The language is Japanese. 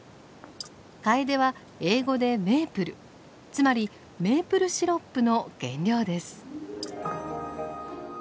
カエデは英語でメープルつまりメープルシロップの原料です。